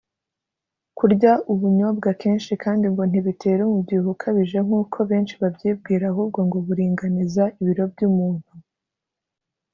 Kurya ubunyobwa kenshi kandi ngo ntibitera umubyibuho ukabije nkuko benshi babyibwira ahubwo ngo buringaniza ibiro by’umuntu